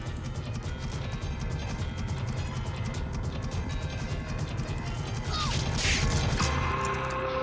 aku punya atal